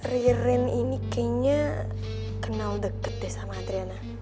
ririn ini kayaknya kenal deket deh sama adriana